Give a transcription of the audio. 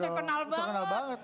ini kan terkenal banget